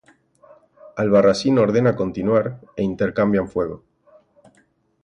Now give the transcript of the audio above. Albarracín ordena continuar e intercambian fuego.